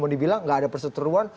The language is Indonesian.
mau dibilang nggak ada perseteruan